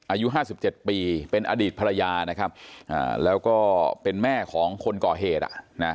อายุ๕๗ปีเป็นอดีตภรรยานะครับแล้วก็เป็นแม่ของคนก่อเหตุ